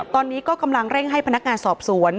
ตอนนี้ก็กำลังเร่งให้พนักงานสอบสวน